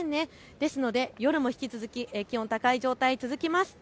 ですので夜も引き続き気温高い状態、続きます。